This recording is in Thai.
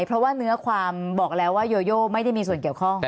เพราะว่าเนื้อความบอกแล้วว่าโยโยไม่ได้มีส่วนเกี่ยวข้อง